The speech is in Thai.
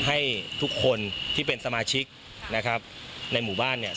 ให้ทุกคนที่เป็นสมาชิกนะครับในหมู่บ้านเนี่ย